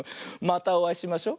またおあいしましょ。